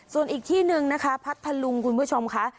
ส่วนอีกที่หนึ่งนะคะพัทธลุงคุณผู้ชมค่ะ